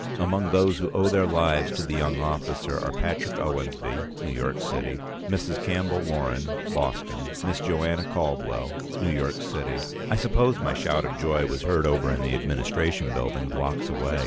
Among those who owe their lives to the young officer are: Patrick Owensby, New York City; Mrs. Campbell Warren, Boston; Miss Joanna Caldwell, New York City " I suppose my shout of joy was heard over in the Administration Building, blocks away.